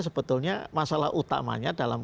sebetulnya masalah utamanya dalam